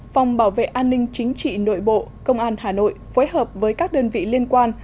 phòng bảo vệ an ninh chính trị nội bộ công an hà nội phối hợp với các đơn vị liên quan